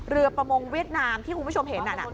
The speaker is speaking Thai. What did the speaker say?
ประมงเวียดนามที่คุณผู้ชมเห็น